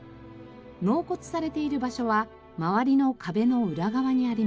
納骨されている場所は周りの壁の裏側にあります。